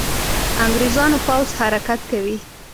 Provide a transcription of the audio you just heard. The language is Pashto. انګرېزانو پوځ حرکت کوي.